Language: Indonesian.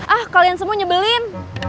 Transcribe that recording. ah kalian semua nyebelin